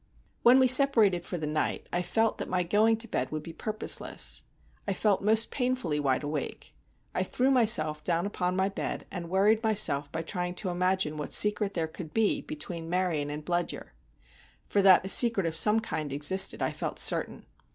When we separated for the night, I felt that my going to bed would be purposeless. I felt most painfully wide awake. I threw myself down upon my bed, and worried myself by trying to imagine what secret there could be between Maryon and Bludyer—for that a secret of some kind existed, I felt certain.